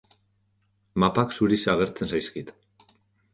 Mapak zuriz agertzen zaizkit.